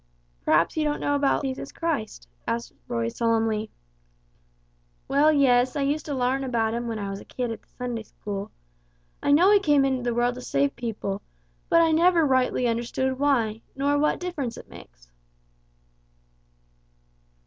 "P'raps you don't know about Jesus Christ?" asked Roy, solemnly. "Well, yes, I used to larn about Him when I was a kid at the Sunday school. I know He came into the world to save people, but I never rightly understood why, nor what difference it makes."